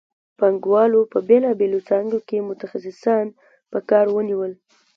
پانګوالو په بېلابېلو څانګو کې متخصصان په کار ونیول